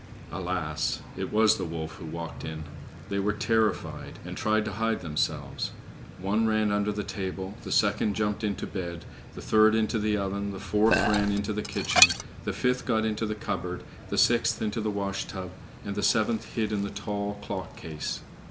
Alas! it was the wolf who walked in. They were terrified, and tried to hide themselves. One ran under the table, the second jumped into bed, the third into the oven, the fourth ran into the kitchen, the fifth got into the cupboard, the sixth into the washtub, and the seventh hid in the tall clock case.